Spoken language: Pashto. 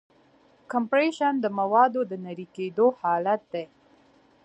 کمپریشن د موادو د نری کېدو حالت دی.